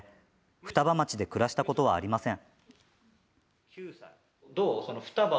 双葉町で暮らしたことはありません。